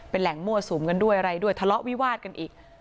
เป็นแหล่งมั่วสุมกันด้วยอะไรด้วยทะเลาะวิวาดกันอีก